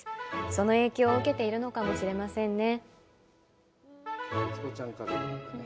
その影響を受けているのかもしれませんね。